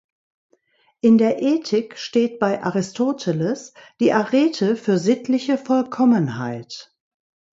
In der Ethik steht bei Aristoteles die Arete für sittliche Vollkommenheit.